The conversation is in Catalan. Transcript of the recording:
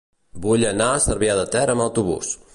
Vull anar a Cervià de Ter amb autobús.